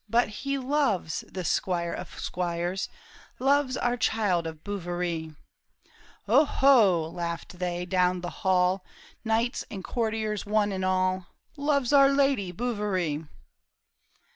But he loves, this squire of squires, Loves our child of Bouverie !"" O ho !" laughed they down the hall, Knights and courtiers, one and all, " Loves our Lady Bouverie."